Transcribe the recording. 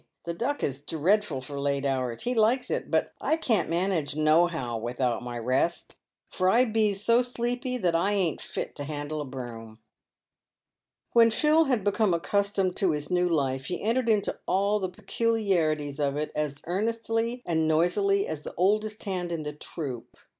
The Duck is dreadful for late hours — he likes it ; but I can't manage nohow without my rest, for I bees so sleepy that I ain't fit to handle a broom." When Phil had become accustomed to his new life, he entered into all the peculiarities of it as earnestly and noisily as the oldest hand in the troop.